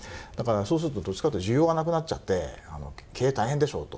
そうすると、どっちかっていうと需要がなくなっちゃって「経営、大変でしょう」と。